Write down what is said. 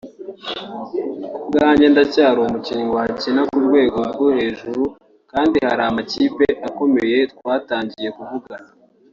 Ku bwanjye ndacyari umukinnyi wakina ku rwego rwo hejuru kandi hari amakipe akomeye twatangiye kuvugana